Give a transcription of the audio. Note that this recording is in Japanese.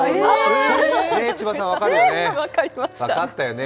千葉さん、分かったね。